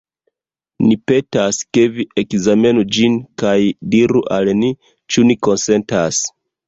Ni petas, ke vi ekzamenu ĝin kaj diru al ni, ĉu ni konsentas.